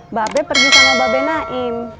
mbak beb pergi sama mbak beb naim